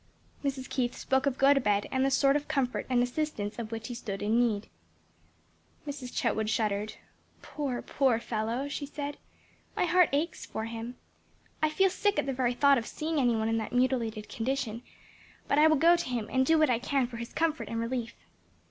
Mrs. Keith spoke of Gotobed and the sort of comfort and assistance of which he stood in need. Mrs. Chetwood shuddered. "Poor, poor fellow!" she said; "my heart aches for him. I feel sick at the very thought of seeing any one in that mutilated condition, but I will go to him and do what I can for his comfort and relief."